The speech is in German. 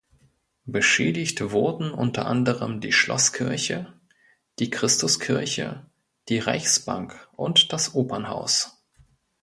Beschädigt wurden unter anderem: die Schloss-Kirche, die Christus-Kirche, die Reichsbank und das Opernhaus.